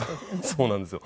そうなんですよ。